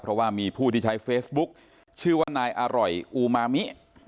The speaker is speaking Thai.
เพราะว่ามีผู้ที่ใช้เฟซบุ๊คชื่อว่านายอร่อยอูมามิ